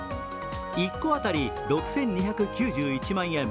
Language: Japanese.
一戸当たり６２９１万円。